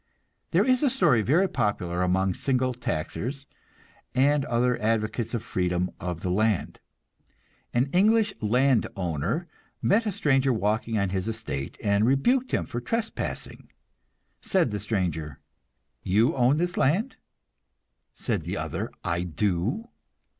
There is a story very popular among single taxers and other advocates of freedom of the land. An English land owner met a stranger walking on his estate, and rebuked him for trespassing. Said the stranger, "You own this land?" Said the other, "I do."